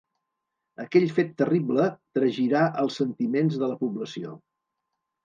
Aquell fet terrible tragirà els sentiments de la població.